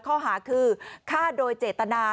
ข้อหาคือฆ่าโดยเจตนา